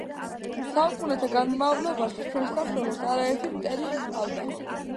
საუკუნეთა განმავლობაში ჩვენ სამშობლოს არაერთი მტერი ჰყავდა